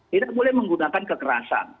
tidak boleh menggunakan kekerasan